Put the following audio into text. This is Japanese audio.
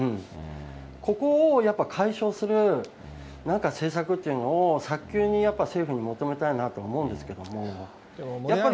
ここをやっぱ解消するなんか政策というのを、早急にやっぱり政府に求めたいなと思うんですけれども、やっぱり